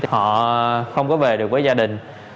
họ không có về được với gia đình